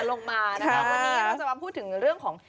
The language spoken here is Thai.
เราจะมาพูดถึงเรื่องของ